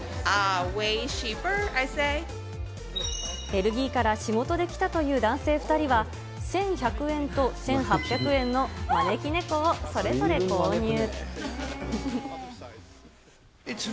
ベルギーから仕事で来たという男性２人は、１１００円と１８００円の招き猫をそれぞれ購入。